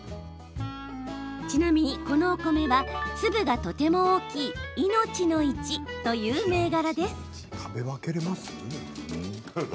ちなみに、このお米は粒がとても大きいいのちの壱という銘柄です。